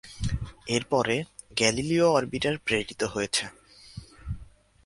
এর পরে Galileo orbiter প্রেরিত হয়েছে।